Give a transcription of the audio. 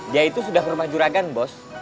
dia itu sudah ke rumah juragan bos